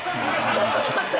ちょっと待って！